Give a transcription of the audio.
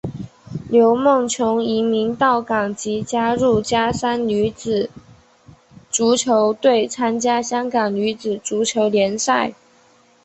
刘梦琼移民到港即加入加山女子足球队参加香港女子足球联赛。